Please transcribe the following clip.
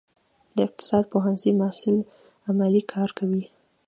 د اقتصاد پوهنځي محصلین عملي کار کوي؟